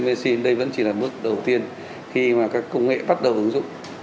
tê lê mê xin đây vẫn chỉ là mức đầu tiên khi mà các công nghệ bắt đầu ứng dụng